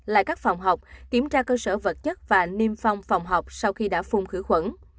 lại các phòng học kiểm tra cơ sở vật chất và niêm phong phòng học sau khi đã phun khử khuẩn